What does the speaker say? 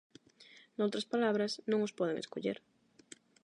Noutras palabras, non os poden escoller.